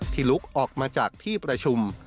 ลุกออกมาจากที่ประชุม